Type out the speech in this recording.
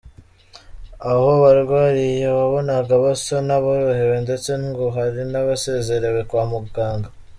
Aho barwariye wabonaga basa n’aborohewe ndetse ngo hari n’abasezerewe kwa muganga.